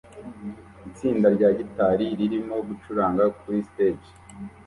Itsinda rya gitari ririmo gucuranga kuri stage